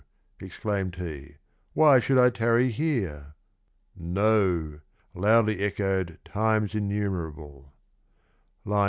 exclaimed he, " Why should I tarry here?" " No!" loudly echoed times innumerable; (II.